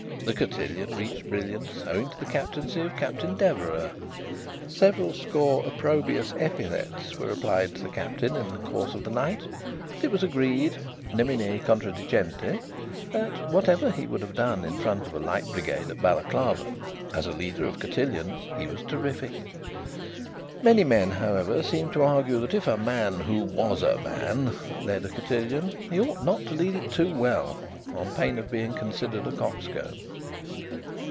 The cotillon reached brilliance, owing to the captaincy of Captain Deverax. Several score opprobrious epithets were applied to the Captain in the course of the night, but it was agreed nemine contradicente that, whatever he would have done in front of a Light Brigade at Balaclava, as a leader of cotillons he was terrific. Many men, however, seemed to argue that if a man who was a man led a cotillon, he ought not to lead it too well, on pain of being considered a cox comb.